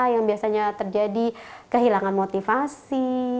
yang biasanya terjadi kehilangan motivasi